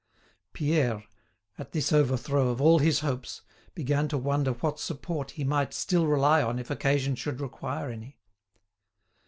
Pierre, at this overthrow of all his hopes, began to wonder what support he might still rely on if occasion should require any.